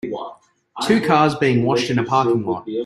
Two cars being washed in a parking lot.